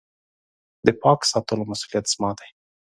د پاک ساتلو مسولیت زما دی .